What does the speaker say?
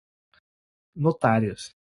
notários